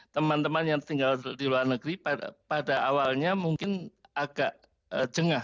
teman teman yang tinggal di luar negeri pada awalnya mungkin agak jengah